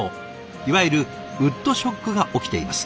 いわゆるウッドショックが起きています。